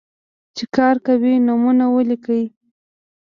چې کار کوي، نومونه ولیکئ.